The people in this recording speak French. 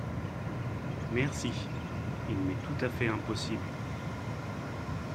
Merci… il m’est tout à fait impossible.